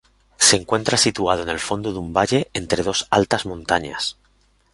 Se encuentra situado en el fondo de un valle, entre dos altas montañas.